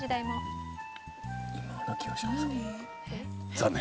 残念。